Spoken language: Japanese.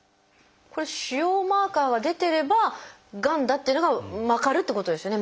これ腫瘍マーカーが出てればがんだっていうのが分かるってことですよね